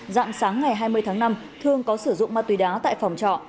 dạng sáng ngày hai mươi tháng năm thương có sử dụng ma túy đá tại phòng trọ